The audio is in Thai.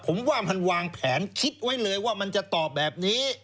ผมว่ามันวางแผนคิดไว้เลยว่ามันจะตอบแบบนี้